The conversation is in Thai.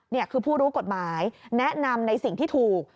นี่คือผู้รู้กฎหมายแนะนำในสิ่งที่ถูก